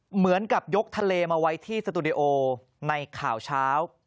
เหมือนกับยกทะเลมาไว้ที่สตูดิโอในข่าวเช้า